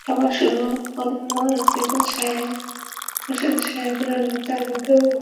সভা শুরু হলো, রফিকুল হোসেন সাহেবের অনুরোধে আমাকেও বক্তৃতা করতে হলো।